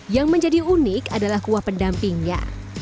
yang menjadi unik adalah kuah pendampingnya